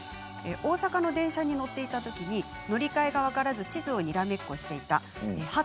大阪の電車に乗っていたときに乗り換えが分からず地図とにらめっこしていた。